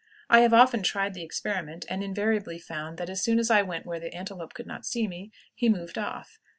I have often tried the experiment, and invariably found that, as soon as I went where the antelope could not see me, he moved off.